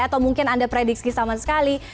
atau mungkin anda prediksi sama sekali